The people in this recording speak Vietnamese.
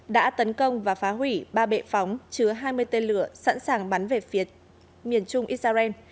đã tấn công và phá hủy ba bệ phóng chứa hai mươi tên lửa sẵn sàng bắn về phía miền trung israel